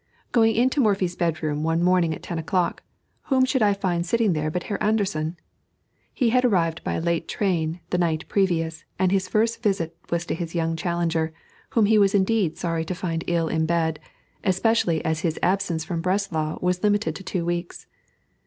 Going into Morphy's bedroom one morning at ten o'clock, whom should I find sitting there but Herr Anderssen? He had arrived by a late train the night previous, and his first visit was to his young challenger, whom he was indeed sorry to find ill in bed, especially as his absence from Breslau was limited to two weeks.